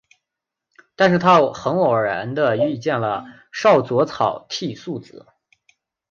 但是他很偶然地遇见了少佐草剃素子。